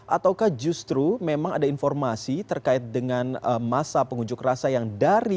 ataukah justru memang ada informasi terkait dengan masa pengunjuk rasa yang dari